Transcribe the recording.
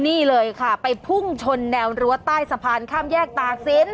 นี่เลยค่ะไปพุ่งชนแนวรั้วใต้สะพานข้ามแยกตากศิลป